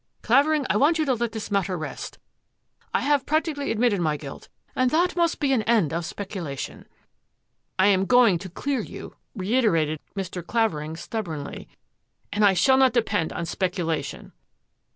" Clavering, I want you to let this matter rest. I have practically admitted my guilt, and that must be an end of speculation." " I am going to clear you," reiterated Mr. MARY SURPRISES CLAVERING 201 Clavering stubbornly, " and I shall not depend on speculation."